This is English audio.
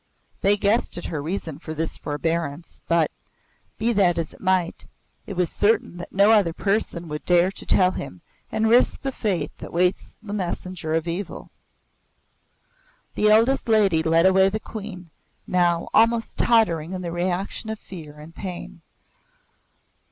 They guessed at her reason for this forbearance, but, be that as it might, it was Certain that no other person would dare to tell him and risk the fate that waits the messenger of evil. The eldest lady led away the Queen, now almost tottering in the reaction of fear and pain.